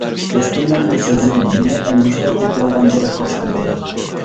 دوستۇمنىڭ ئۇ سۆزى مېنى ئەڭگۈشتەر تېپىۋالغاندەك خوش قىلدى.